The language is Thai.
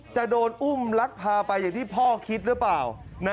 จะโดนอุ้มลักพาไปอย่างที่พ่อคิดหรือเปล่า